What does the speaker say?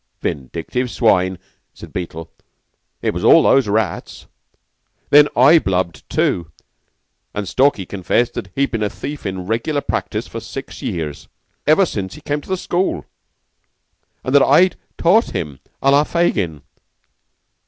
"Vindictive swine!" said Beetle. "It was all those rats! Then I blubbed, too, and Stalky confessed that he'd been a thief in regular practice for six years, ever since he came to the school; and that I'd taught him à la Fagin.